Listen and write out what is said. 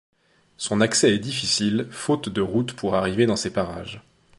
Son accès est difficile, faute de route pour arriver dans ses parages.